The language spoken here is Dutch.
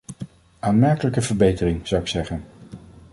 Aanmerkelijke verbetering, zou ik zeggen.